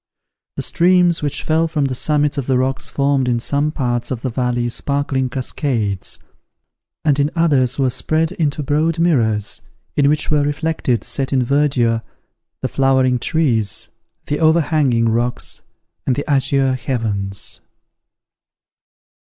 The streams which fell from the summits of the rocks formed in some parts of the valley sparkling cascades, and in others were spread into broad mirrors, in which were reflected, set in verdure, the flowering trees, the overhanging rocks, and the azure heavens.